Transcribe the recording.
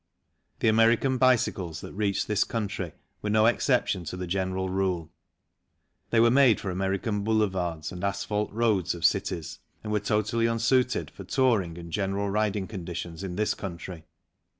The American bicycles that reached this country were no exception to the general rule. They were made for American boulevards and asphalte roads of cities and were totally unsuited for touring and general riding conditions in this country.